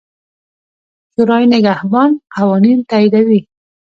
شورای نګهبان قوانین تاییدوي.